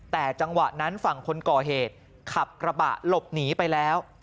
แต่จังหวะนั้นฝั่งคนก่อเหตุขับกระบะหลบหนีไปแล้ว